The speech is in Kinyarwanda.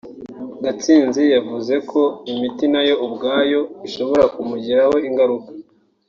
Gatsinzi yavuze ko imiti nayo ubwayo ishobora kumugiraho ingaruka